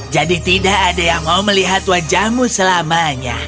jadi tidak ada yang mau melihat wajahmu selamanya